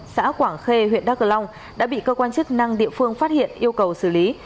xã quảng khê huyện đắc lông đã bị cơ quan chức năng địa phương phát hiện yêu cầu xử lý